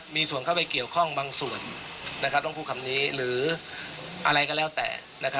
มีส่วนเข้าไปเกี่ยวข้องบางส่วนต้องพูดคำนี้หรืออะไรก็แล้วแต่